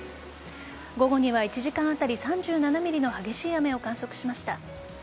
午後には１時間当たり３７ｍｍの激しい雨を観測しました。